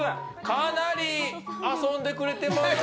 かなり遊んでくれてますよ。